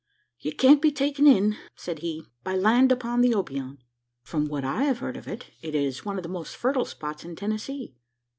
"You can't be taken in," said he, "by land upon the Obion. From what I have heard of it, it is one of the most fertile spots in Tennessee.